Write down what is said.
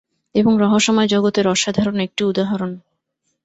এবং রহস্যময় জগতের আসাধারণ একটি উদাহরণ।